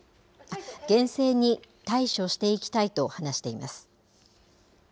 厳正に対処していきたいと話しています。